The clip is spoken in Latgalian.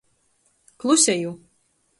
Kluseju.